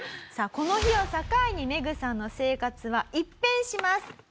さあこの日を境にメグさんの生活は一変します。